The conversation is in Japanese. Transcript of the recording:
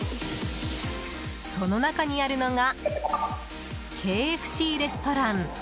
その中にあるのがＫＦＣレストラン。